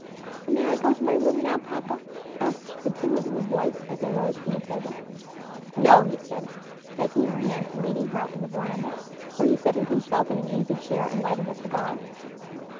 "May I go to my room now, papa?" asked the timid little voice as they rose from the table. "No," he said, taking her hand and leading her out to the veranda, where he settled himself in an easy chair and lighted a cigar.